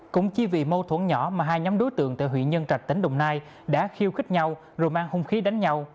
cũng chỉ vì mâu thuẫn nhỏ mà hai nhóm đối tượng tại huyện nhân trạch tỉnh đồng nai đã khiêu khích nhau rồi mang hung khí đánh nhau